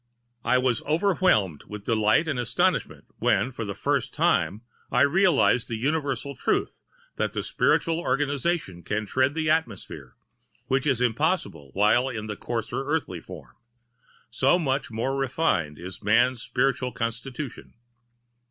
I was overwhelmed with delight and astonishment when, for the first time, I realized the universal truth that the spiritual organization can tread the atmosphere, which is impossible while in the coarser earthly form—so much more refined is man's spiritual constitution.